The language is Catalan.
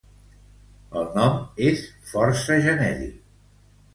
El nom és força genèric.